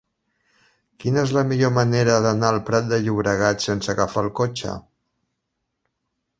Quina és la millor manera d'anar al Prat de Llobregat sense agafar el cotxe?